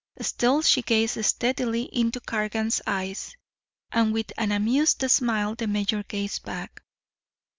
Still she gazed steadily into Cargan's eyes. And with an amused smile the mayor gazed back.